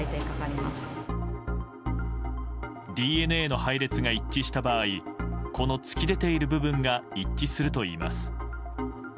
ＤＮＡの配列が一致した場合この突き出ている部分が一致するといいます。